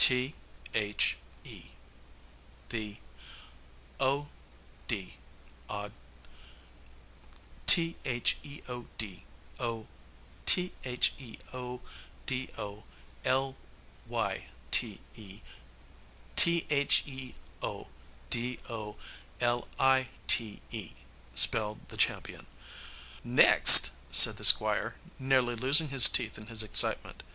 "T h e, the, o d, od, theod, o, theodo, l y t e, theodolite," spelled the champion. "Next," said the Squire, nearly losing his teeth in his excitement.